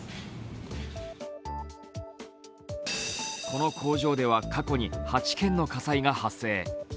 この工場では過去に８件の火災が発生。